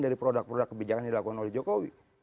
dari produk produk kebijakan yang dilakukan oleh jokowi